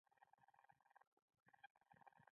کټ مې ښه تیار او توس پرې هوار وو.